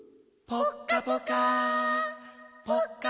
ぽっかぽか。